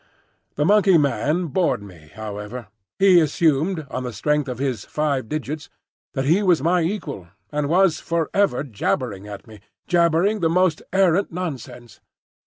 The Monkey man bored me, however; he assumed, on the strength of his five digits, that he was my equal, and was for ever jabbering at me,—jabbering the most arrant nonsense.